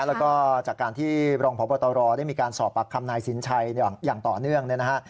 แล้วก็จากการที่รองพบตรได้มีการสอบปากคำนายสินชัยอย่างต่อเนื่องเนี่ยนะฮะ